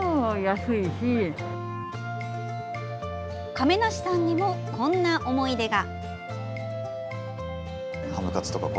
亀梨さんにもこんな思い出が。